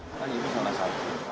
ini itu salah satu